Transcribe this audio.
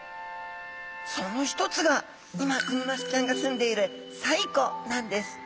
その一つが今クニマスちゃんがすんでいる西湖なんです！